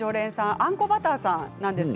あんこバターさんです。